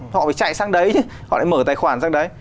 họ phải chạy sang đấy chứ họ lại mở tài khoản sang đấy